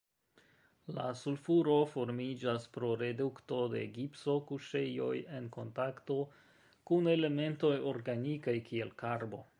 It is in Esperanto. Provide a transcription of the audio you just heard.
La sulfuro formiĝas pro redukto de gipso-kuŝejoj en kontakto kun elementoj organikaj, kiel karbo.